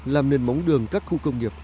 làm nền móng đường các khu công nghiệp